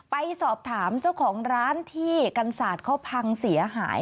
ไปสอบถามเจ้าของร้านที่กันศาสตร์เขาพังเสียหาย